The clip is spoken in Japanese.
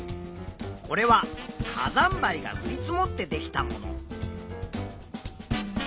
これは火山灰がふり積もってできたもの。